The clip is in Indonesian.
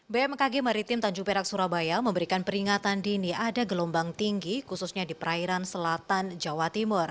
bmkg maritim tanjung perak surabaya memberikan peringatan dini ada gelombang tinggi khususnya di perairan selatan jawa timur